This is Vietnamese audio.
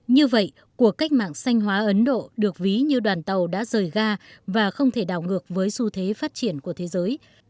như vậy cuộc cách mạng xanh hóa ấn độ được ví như đoàn tàu đã rời ga và không thể đảo ngược với xu thế phát triển của thế giới